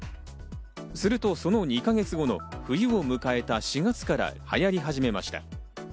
するとその２か月後の冬を迎えた４月から流行り始めました。